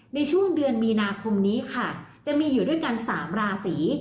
ในช่วงเดือนมีนาคมนี้ค่ะจะมีอยู่ด้วยกัน๓ราศี